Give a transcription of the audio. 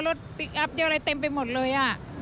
รถพลิกอัพเยอะอะไรเต็มไปหมดเลย